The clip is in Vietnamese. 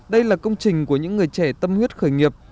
đây là công trình của những người trẻ tâm huyết khởi nghiệp